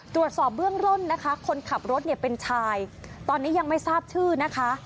ตรวจสอบเบื้องต้นนะคะคนขับรถเนี่ยเป็นชายตอนนี้ยังไม่ทราบชื่อนะคะ